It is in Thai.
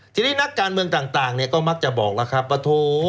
ซีรีส์นักการเมืองต่างต่างเนี้ยก็มักจะบอกล่ะครับปะโถ